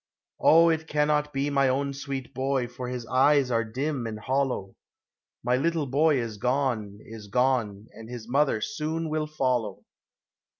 O, it cannot be my own sweet boy, For his eyes are dim and hollow ; My little boy is gone — is gone, And his mother soon will follow.